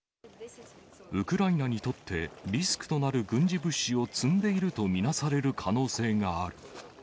ウクライナにとって、リスクとなる軍事物資を積んでいると見なされる可能性がある。